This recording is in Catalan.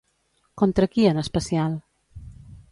Contra qui en especial?